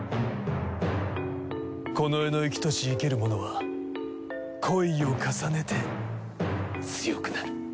この世の生きとし生けるものは恋を重ねて強くなる。